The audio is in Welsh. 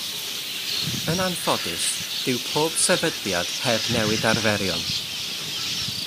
Yn anffodus, dyw pob sefydliad heb newid arferion.